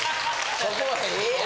そこはええやん。